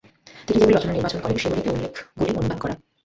তিনি যেগুলি রচনা নির্বাচন করেন সেগুলিতে উল্লেখগুলি "অনুবাদ" করা।